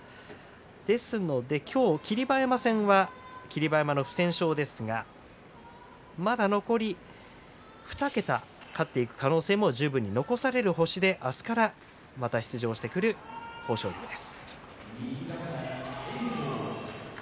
ですので今日、霧馬山戦は霧馬山の不戦勝ですがまだ残り２桁勝っていく可能性が十分に残されるとして明日からまた出場していく豊昇龍です。